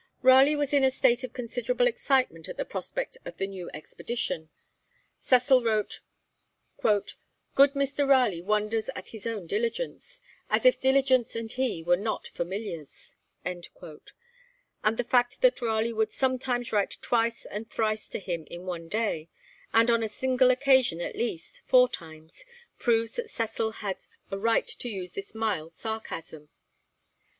Raleigh was in a state of considerable excitement at the prospect of the new expedition. Cecil wrote, 'Good Mr. Raleigh wonders at his own diligence, as if diligence and he were not familiars;' and the fact that Raleigh would sometimes write twice and thrice to him in one day, and on a single occasion at least, four times, proves that Cecil had a right to use this mild sarcasm.